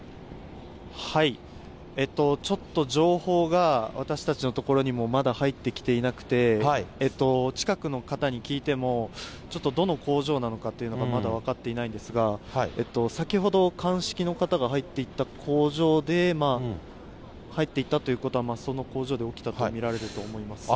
ちょっと情報が私たちのところにもまだ入ってきていなくて、近くの方に聞いても、ちょっとどの工場なのかっていうのがまだ分かっていないんですが、先ほど鑑識の方が入っていった工場で、入っていったということは、その工場で起きたと見られると思います。